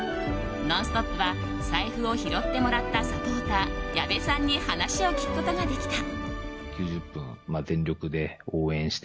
「ノンストップ！」は財布を拾ってもらったサポーター矢部さんに話を聞くことができた。